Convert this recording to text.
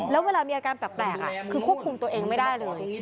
แล้วเวลามีอาการแปลกคือควบคุมตัวเองไม่ได้เลย